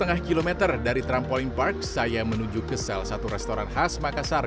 setengah km dari trampolin park saya menuju ke salah satu restoran khas makassar